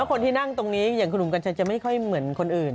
คนที่นั่งตรงนี้อย่างคุณหนุ่มกัญชัยจะไม่ค่อยเหมือนคนอื่น